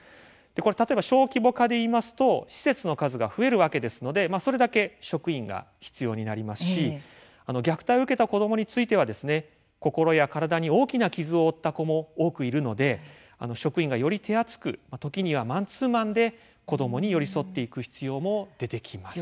例えば小規模化でいいますと施設の数が増えるわけですのでそれだけ職員が必要になりますし虐待を受けた子どもについてはですね心や体に大きな傷を負った子も多くいるので職員がより手厚く時にはマンツーマンで子どもに寄り添っていく必要も出てきます。